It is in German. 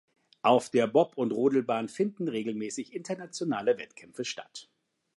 Auf der Bob- und Rodelbahn finden regelmäßig internationale Wettkämpfe statt.